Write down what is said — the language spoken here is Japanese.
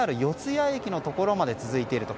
谷駅のところまで続いていると。